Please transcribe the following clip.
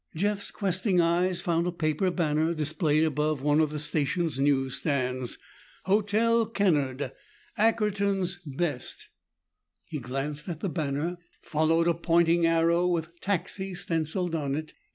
Jeff's questing eyes found a paper banner displayed above one of the station's newsstands: HOTEL KENNARD, ACKERTON'S BEST He glanced at the banner and followed a pointing arrow with TAXI stenciled on it.